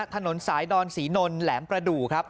ถนนสายดอนศรีนนท์แหลมประดูกครับ